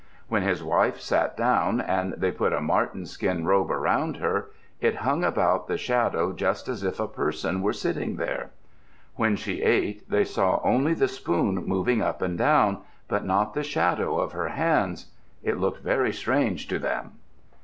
When his wife sat down and they put a marten skin robe around her, it hung about the shadow just as if a person were sitting there. When she ate, they saw only the spoon moving up and down, but not the shadow of her hands. It looked very strange to them.